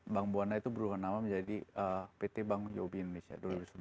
bang buana itu berubah nama menjadi pt bank uob indonesia dua ribu sebelas